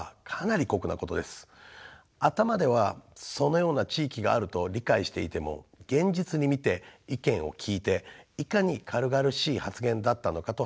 頭ではそのような地域があると理解していても現実に見て意見を聞いていかに軽々しい発言だったのかと反省もしました。